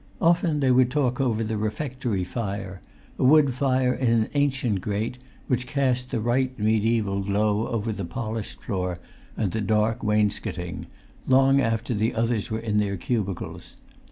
Often they would talk over the refectory fire—a wood fire in an ancient grate, which cast the right mediæval glow over the polished floor and the dark wainscotting—long after the others were in their cubicles.